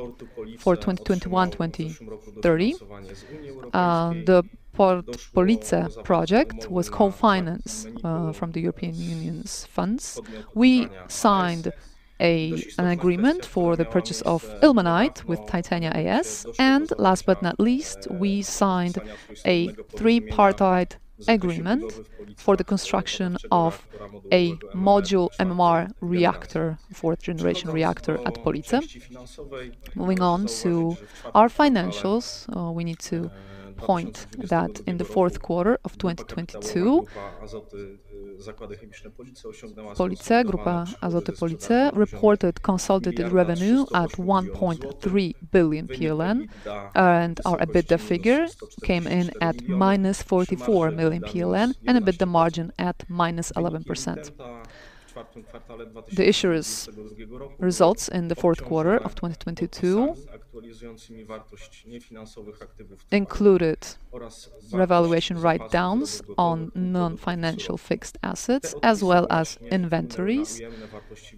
Speaker 4: for 2021, 2030. The Police project was co-financed from the European Union's funds. We signed an agreement for the purchase of ilmenite with Titania AS. Last but not least, we signed a tripartite agreement for the construction of a module MMR reactor, fourth-generation reactor at Police. Moving on to our financials, we need to point that in the fourth quarter of 2022, Police, Grupa Azoty Police, reported consolidated revenue at 1.3 billion PLN and our EBITDA figure came in at minus 44 million PLN and EBITDA margin at minus 11%. The issuers' results in the fourth quarter of 2022 included revaluation write-downs on non-financial fixed assets as well as inventories,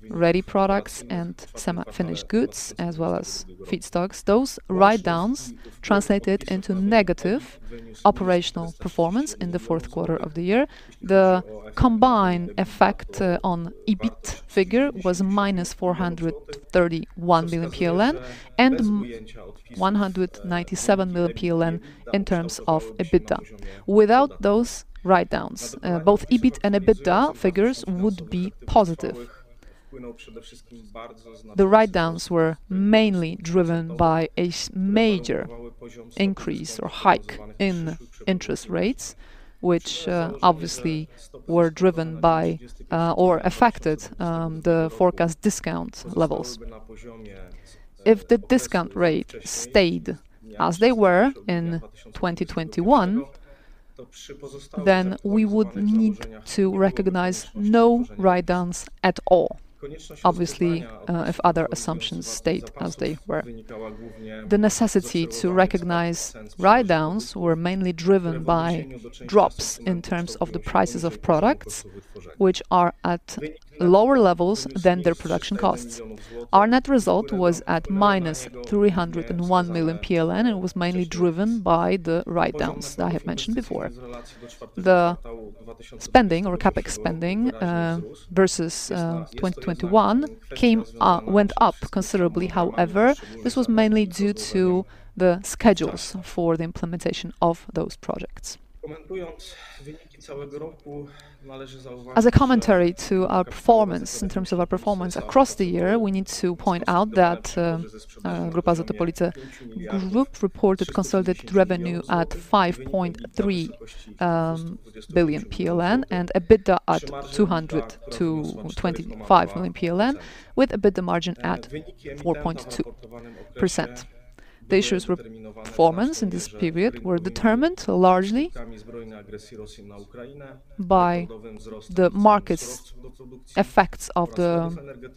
Speaker 4: ready products and semi-finished goods as well as feedstocks. Those write-downs translated into negative operational performance in the fourth quarter of the year. The combined effect on EBIT figure was minus 431 million PLN and 197 million PLN in terms of EBITDA. Without those write-downs, both EBIT and EBITDA figures would be positive. The write-downs were mainly driven by a major increase or hike in interest rates, which obviously were driven by or affected the forecast discount levels. If the discount rate stayed as they were in 2021, then we would need to recognize no write-downs at all. Obviously, if other assumptions stayed as they were. The necessity to recognize write-downs were mainly driven by drops in terms of the prices of products, which are at lower levels than their production costs. Our net result was at minus 301 million PLN, and was mainly driven by the write-downs that I have mentioned before. The spending or CapEx spending versus 2021 went up considerably, however, this was mainly due to the schedules for the implementation of those projects. As a commentary to our performance, in terms of our performance across the year, we need to point out that Grupa Azoty Police Group reported consolidated revenue at 5.3 billion PLN and EBITDA at 200 million-225 million PLN, with EBITDA margin at 4.2%. The issues re-performance in this period were determined largely by the market's effects of the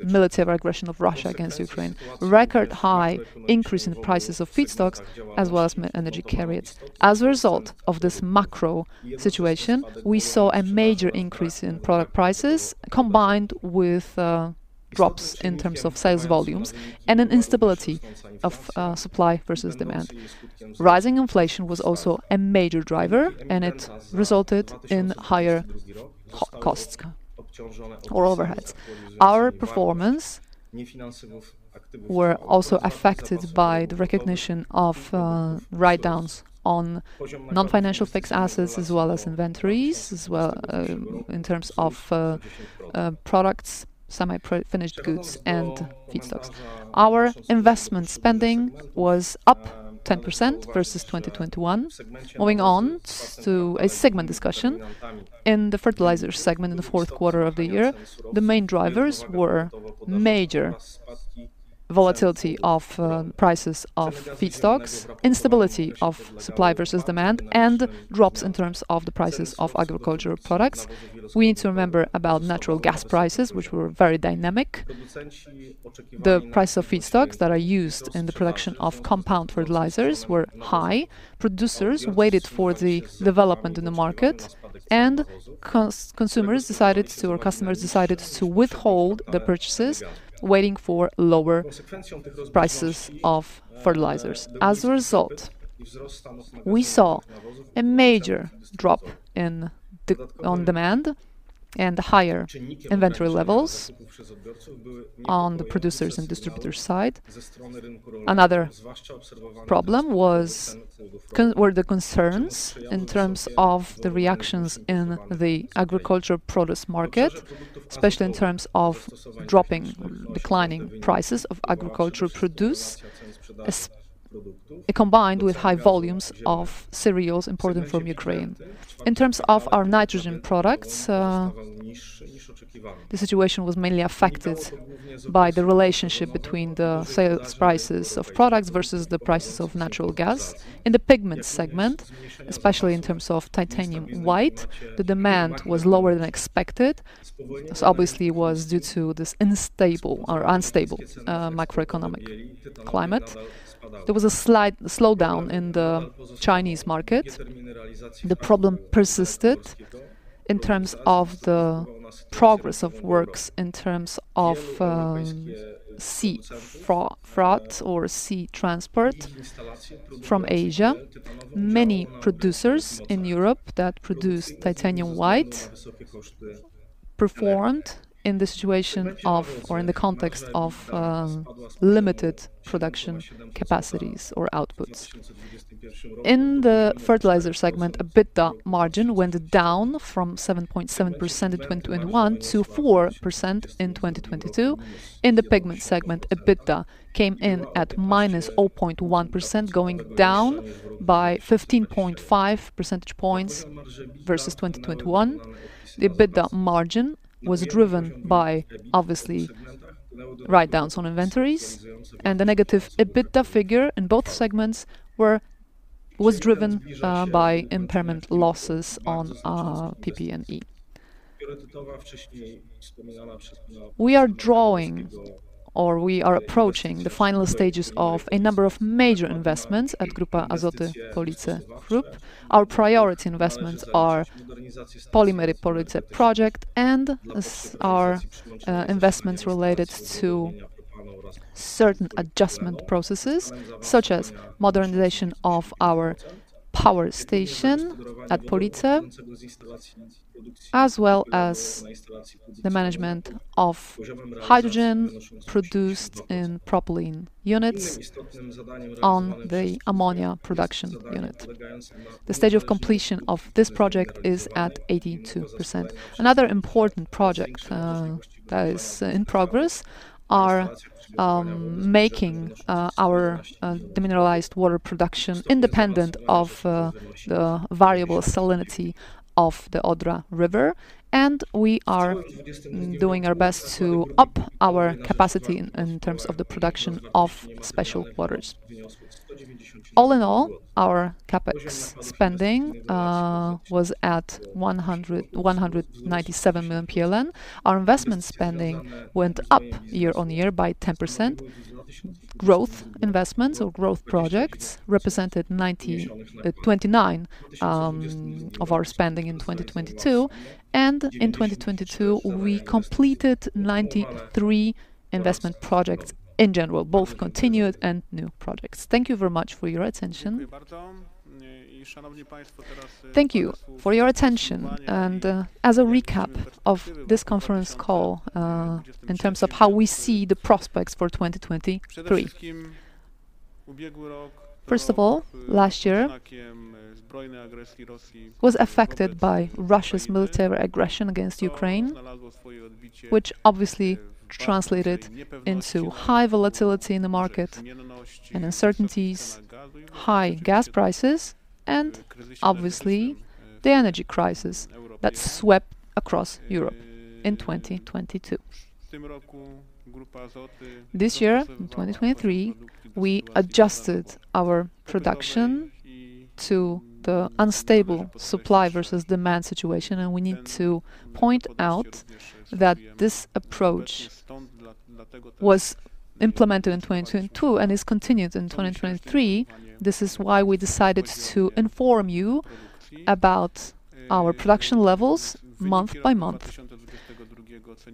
Speaker 4: military aggression of Russia against Ukraine, record high increase in the prices of feedstocks, as well as energy carriers. As a result of this macro situation, we saw a major increase in product prices, combined with drops in terms of sales volumes and an instability of supply versus demand. Rising inflation was also a major driver, and it resulted in higher co-costs or overheads. Our performance were also affected by the recognition of write-downs on non-financial fixed assets as well as inventories, as well, in terms of products, semi-finished goods and feedstocks. Our investment spending was up 10% versus 2021. Moving on to a segment discussion. In the fertilizers segment in the fourth quarter of the year, the main drivers were major volatility of prices of feedstocks, instability of supply versus demand, and drops in terms of the prices of agricultural products. We need to remember about natural gas prices, which were very dynamic. The price of feedstocks that are used in the production of compound fertilizers were high. Producers waited for the development in the market, and consumers decided to, or customers decided to withhold the purchases, waiting for lower prices of fertilizers. As a result, we saw a major drop on demand and higher inventory levels on the producers' and distributors' side. Another problem were the concerns in terms of the reactions in the agriculture produce market, especially in terms of dropping, declining prices of agricultural produce as combined with high volumes of cereals imported from Ukraine. In terms of our nitrogen products, the situation was mainly affected by the relationship between the sales prices of products versus the prices of natural gas. In the pigments segment, especially in terms of titanium white, the demand was lower than expected, this obviously was due to this unstable or unstable macroeconomic climate. There was a slight slowdown in the Chinese market. The problem persisted in terms of the progress of works in terms of sea freight or sea transport from Asia. Many producers in Europe that produce titanium white performed in the situation of, or in the context of, limited production capacities or outputs. In the fertilizer segment, EBITDA margin went down from 7.7% in 2021 to 4% in 2022. In the pigment segment, EBITDA came in at -0.1%, going down by 15.5 percentage points versus 2021. The EBITDA margin was driven by, obviously, write-downs on inventories, and the negative EBITDA figure in both segments was driven by impairment losses on our PP&E. We are drawing or we are approaching the final stages of a number of major investments at Grupa Azoty Police. Our priority investments are Polimery Police project and our investments related to certain adjustment processes, such as modernization of our power station at Police, as well as the management of hydrogen produced in propylene units on the ammonia production unit. The stage of completion of this project is at 82%. Another important project that is in progress are making our demineralized water production independent of the variable salinity of the Odra River. We are doing our best to up our capacity in terms of the production of special waters. All in all, our CapEx spending was at 197 million PLN. Our investment spending went up year-on-year by 10%. Growth investments or growth projects represented 29% of our spending in 2022, and in 2022 we completed 93 investment projects in general, both continued and new projects. Thank you very much for your attention.
Speaker 2: Thank you for your attention. As a recap of this conference call, in terms of how we see the prospects for 2023. First of all, last year was affected by Russia's military aggression against Ukraine, which obviously translated into high volatility in the market and uncertainties, high gas prices, and obviously the energy crisis that swept across Europe in 2022. This year, in 2023, we adjusted our production to the unstable supply versus demand situation, and we need to point out that this approach was implemented in 2022 and is continued in 2023. This is why we decided to inform you about our production levels month-by-month.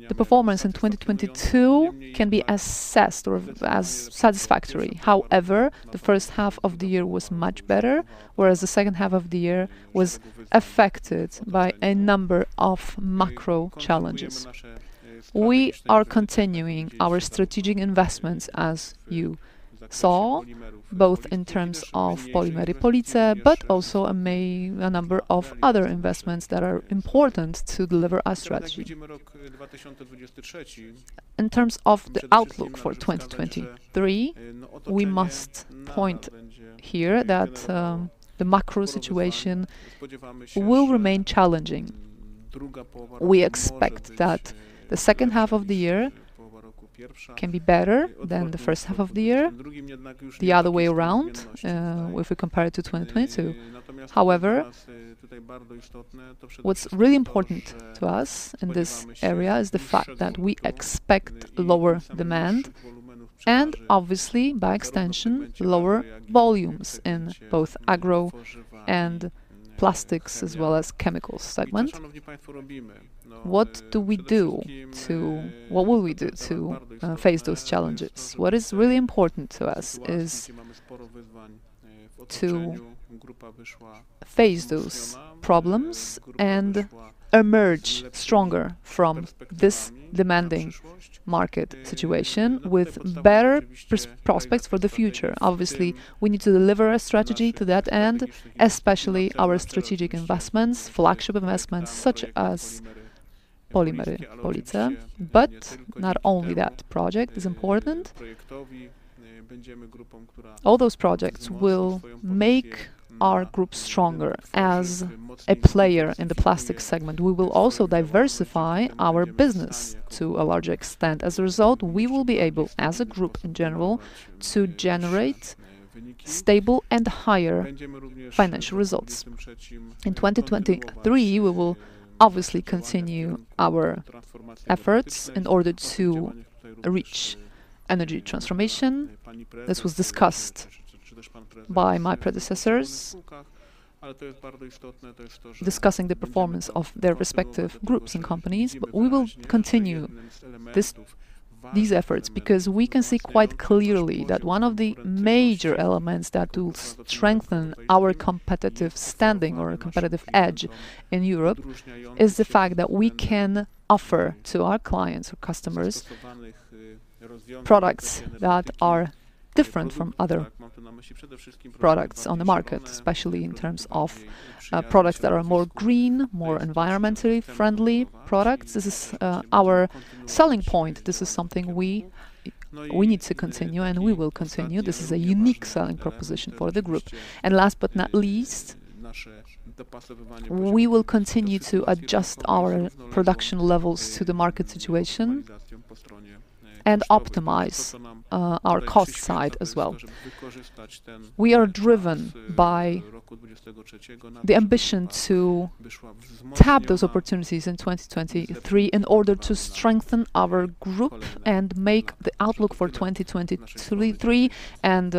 Speaker 2: The performance in 2022 can be assessed as satisfactory. The first half of the year was much better, whereas the second half of the year was affected by a number of macro challenges. We are continuing our strategic investments as you saw, both in terms of Polimery Police, but also a number of other investments that are important to deliver our strategy. In terms of the outlook for 2023, we must point here that the macro situation will remain challenging. We expect that the second half of the year can be better than the first half of the year, the other way around, if we compare it to 2022. What's really important to us in this area is the fact that we expect lower demand, and obviously by extension, lower volumes in both agro and plastics as well as chemicals segment. What will we do to face those challenges? What is really important to us is to face those problems and emerge stronger from this demanding market situation with better prospects for the future. Obviously, we need to deliver a strategy to that end, especially our strategic investments, flagship investments such as Polimery Police. Not only that project is important. All those projects will make our group stronger as a player in the plastic segment. We will also diversify our business to a larger extent. As a result, we will be able, as a group in general, to generate stable and higher financial results. In 2023, we will obviously continue our efforts in order to reach energy transformation. This was discussed by my predecessors, discussing the performance of their respective groups and companies. We will continue these efforts because we can see quite clearly that one of the major elements that will strengthen our competitive standing or competitive edge in Europe is the fact that we can offer to our clients or customers products that are different from other products on the market, especially in terms of products that are more green, more environmentally friendly products. This is our selling point. This is something we need to continue, and we will continue. This is a unique selling proposition for the group. Last but not least, we will continue to adjust our production levels to the market situation and optimize our cost side as well. We are driven by the ambition to tap those opportunities in 2023 in order to strengthen our group and make the outlook for 2023, three and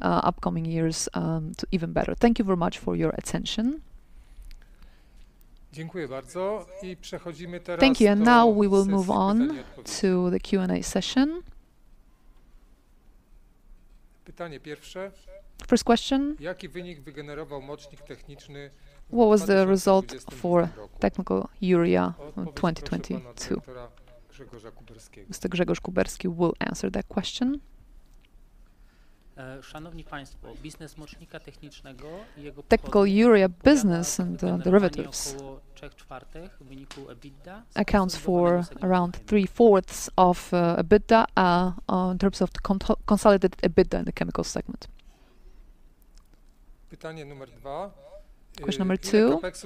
Speaker 2: upcoming years to even better. Thank you very much for your attention.
Speaker 1: Thank you. Now we will move on to the Q&A session. First question, what was the result for technical urea in 2022? Mr. Grzegorz Kuberski will answer that question.
Speaker 5: Technical urea business and derivatives accounts for around three-fourths of EBITDA in terms of the consolidated EBITDA in the chemical segment.
Speaker 1: Question number two, what is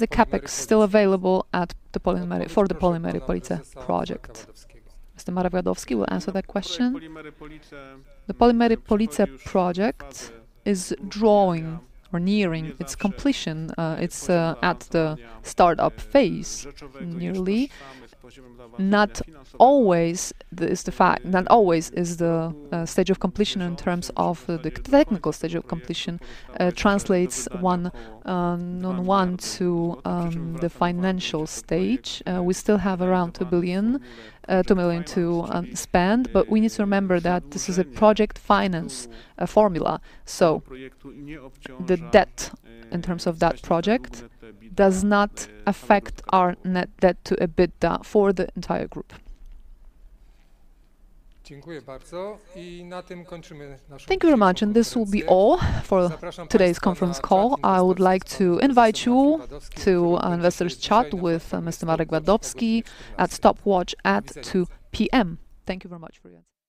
Speaker 1: the CapEx still available for the Polimery Police project? Mr. Marek Wadowski will answer that question.
Speaker 2: The Polimery Police project is drawing or nearing its completion. It's at the start-up phase nearly. Not always is the stage of completion in terms of the technical stage of completion translates one one to the financial stage. We still have around 2 billion to spend, but we need to remember that this is a project finance formula. The debt in terms of that project does not affect our net debt to EBITDA for the entire group.
Speaker 1: Thank you very much, this will be all for today's conference call. I would like to invite you to our investors chat with Mr. Marek Wadowski at stopwatch at 2:00 P.M. Thank you very much for your attention.